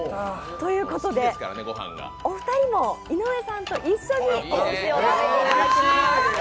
ということで、お二人も井上さんと一緒におすしを食べていただきます。